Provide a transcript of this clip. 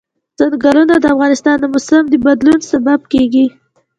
چنګلونه د افغانستان د موسم د بدلون سبب کېږي.